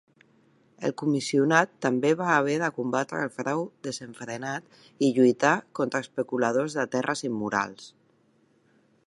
El comissionat també va haver de combatre el frau desenfrenat i lluitar contra especuladors de terres immorals.